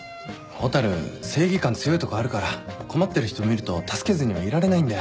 蛍正義感強いとこあるから困ってる人見ると助けずにはいられないんだよ。